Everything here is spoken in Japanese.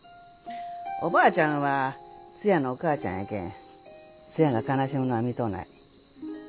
おばあちゃんはツヤのお母ちゃんやけんツヤが悲しむのは見とうない。